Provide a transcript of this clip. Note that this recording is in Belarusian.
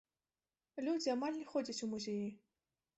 Людзі амаль не ходзяць у музеі.